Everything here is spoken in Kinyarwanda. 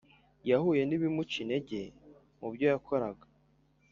yahuye n ibimuca intege mubyo yakoraga